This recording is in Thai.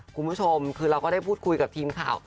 คุณผู้ชมคือเราก็ได้พูดคุยกับทีมข่าว